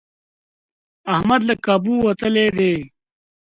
احمد له کابو وتلی دی.